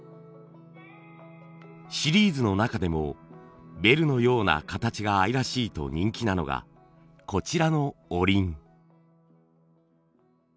シリーズの中でもベルのような形が愛らしいと人気なのがこちらのおりん。